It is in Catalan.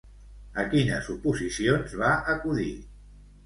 A quines oposicions va acudir?